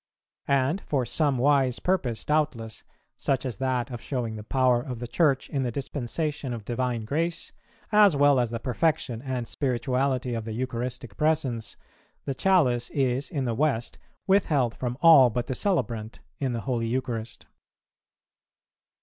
And for some wise purpose doubtless, such as that of showing the power of the Church in the dispensation of divine grace, as well as the perfection and spirituality of the Eucharistic Presence, the Chalice is in the West withheld from all but the celebrant in the Holy Eucharist.